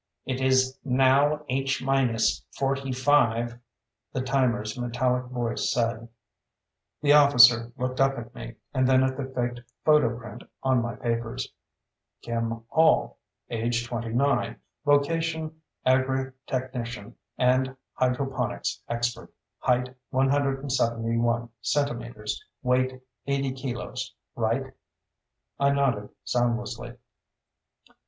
"It is now H minus forty five," the timer's metallic voice said. The officer looked up at me, and then at the faked photoprint on my papers. "Kim Hall, age twenty nine, vocation agri technician and hydroponics expert, height 171 centimeters, weight 60 kilos. Right?" I nodded soundlessly.